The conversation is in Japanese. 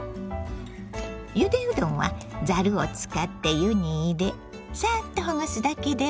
ゆでうどんはざるを使って湯に入れさっとほぐすだけでＯＫ。